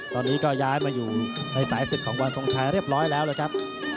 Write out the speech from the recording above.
ตอนนี้ก็ย้ายมาอยู่ในสายศึกของวันทรงชัยเรียบร้อยแล้วนะครับ